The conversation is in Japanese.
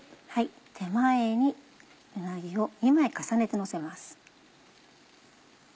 手前にうなぎを２枚重ねてのせます。